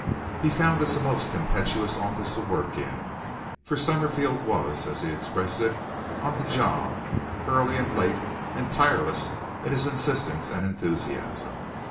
He found this a most tempestuous office to work in, for Summerfield was, as he expressed it, "on the job" early and late, and tireless in his insistence and enthusiasm.